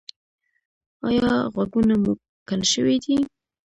ایا غوږونه مو کڼ شوي دي؟